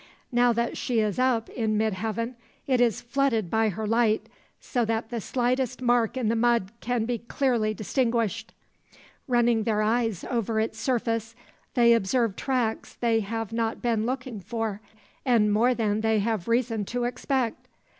Now that she is up in mid heaven, it is flooded by her light, so that the slightest mark in the mud can be clearly distinguished. Running their eyes over its surface, they observe tracks they have not been looking for, and more than they have reason to expect.